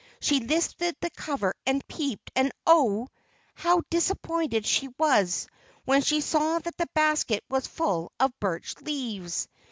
She lifted the cover and peeped, and, oh! how disappointed she was when she saw that the basket was full of birch leaves!